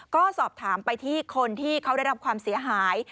ก็สอบถามไปที่คนที่เขาได้รับความเสียหาย